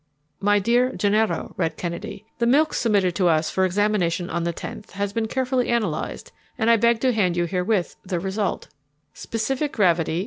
"My dear Gennaro," read Kennedy. "The milk submitted to us for examination on the 10th inst. has been carefully analyzed, and I beg to hand you herewith the result: "Specific gravity 1.